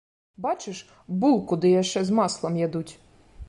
Бачыш, булку ды яшчэ з маслам ядуць.